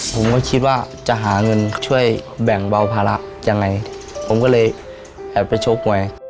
ผมก็คิดว่าจะหาเงินช่วยแบ่งเบาภาระยังไงผมก็เลยแอบไปชกมวย